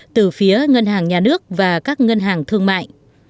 từ phía ngân hàng nhà nước và các ngân hàng thương mại